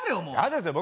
もう。